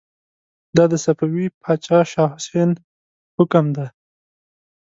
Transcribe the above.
دا د صفوي پاچا شاه حسين حکم دی.